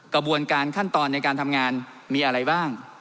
กระบวนการขั้นตอนในการทำงานมีอะไรบ้าง